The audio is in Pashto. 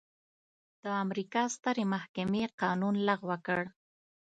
د امریکا سترې محکمې قانون لغوه کړ.